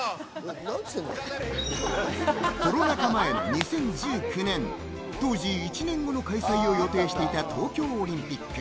コロナ禍前の２０１９年、当時１年後の開催を予定していた東京オリンピック。